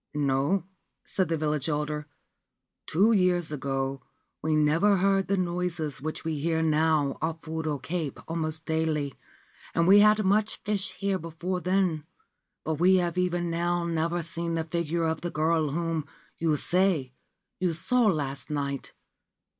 ' No,' said the village elder. ' Two years ago we never 112 Cape of the Woman's Sword heard the noises which we hear now off Fudo Cape almost daily, and we had much fish here before then ; but we have even now never seen the figure of the girl whom (you say) you saw last night.